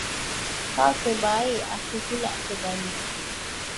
Kau terbaik! aku pulak terbalik.